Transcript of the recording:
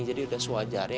jadi sudah sewajarnya